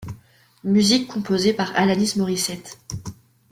Musiques composées par Alanis Morissette.